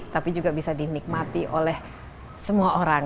tapi juga bisa dinikmati oleh semua orang